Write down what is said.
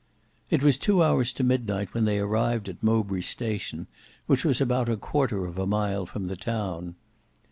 It was two hours to midnight when they arrived at Mowbray station, which was about a quarter of a mile from the town.